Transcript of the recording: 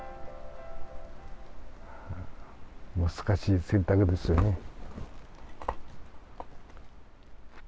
難しい選択ですよね。